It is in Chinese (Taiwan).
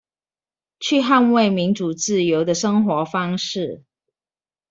去捍衛民主自由的生活方式